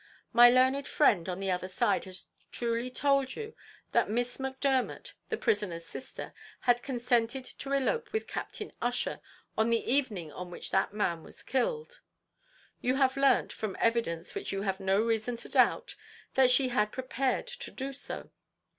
My learned friend on the other side has truly told you that Miss Macdermot, the prisoner's sister, had consented to elope with Captain Ussher on the evening on which that man was killed. You have learnt, from evidence which you have no reason to doubt, that she had prepared to do so.